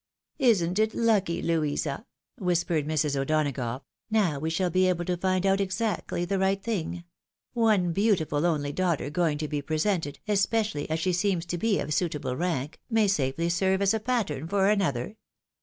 "Isn't it lucky, Louisa?" whispered Mrs. O'Donagough; " now we shall be able to find out exactly the right thing. One beautiful only daughter going to be presented, especially as she seems to be of suitable rank, may safely serve as a pattern for another.